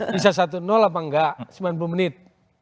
bisa satu apa enggak sembilan puluh menit